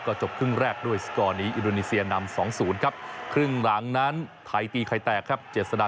ก็จบเครื่องแรกด้วยสกอร์นี้อิดโนนิเซียนำ๒๐ครับ